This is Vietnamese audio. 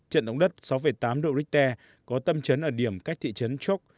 trận động đất sáu tám độ richter có tâm trấn ở điểm cách thị trấn chốc